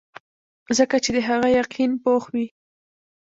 ځکه چې د هغه يقين پوخ وي -